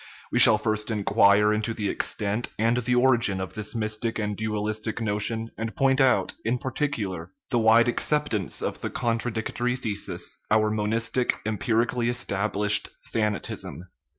We shall first in quire into the extent and the origin of this mystic and dualistic notion, and point out, in particular, the wide acceptance of the contradictory thesis, our monistic, empirically established thanatism.